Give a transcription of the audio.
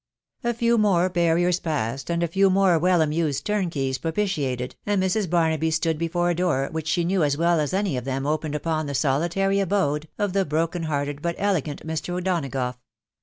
A few more barriers passed, and a few more well amused turnkeys propitiated, and Mrs. Barnaby stood before a door which she knew as well as any of them opened upon the soli tary abode of the broken hearted but elegant Mr. O'Dona gough.